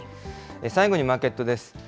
最後にマーケットです。